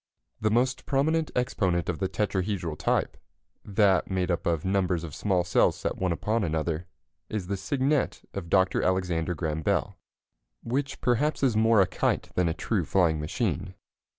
The most prominent exponent of the tetrahedral type that made up of numbers of small cells set one upon another is the Cygnet of Dr. Alexander Graham Bell, which perhaps is more a kite than a true flying machine.